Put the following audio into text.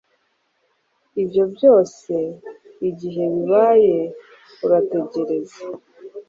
Ibyo byose igihe bibaye urategereza